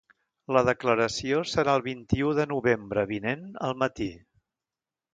La declaració serà el vint-i-u de novembre vinent al matí.